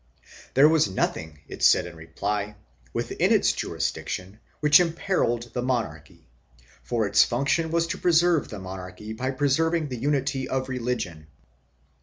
There was nothing, it said in reply, within its jurisdiction which imperilled the monarchy, for its function was to preserve the monarchy by preserving the unity of religion.